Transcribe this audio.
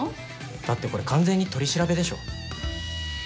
だってこれ完全に取り調べでしょ。